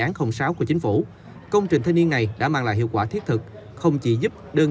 án sáu của chính phủ công trình thanh niên này đã mang lại hiệu quả thiết thực không chỉ giúp đơn